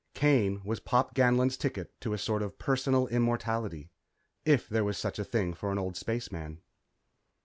Kane was Pop Ganlon's ticket to a sort of personal immortality if there is such a thing for an old spaceman.